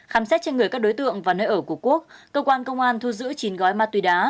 khám xét trên người các đối tượng và nơi ở của quốc cơ quan công an thu giữ chín gói ma túy đá